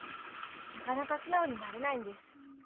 なかなか素直になれないんです。